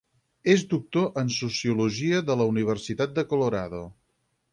És doctor en sociologia de la Universitat de Colorado.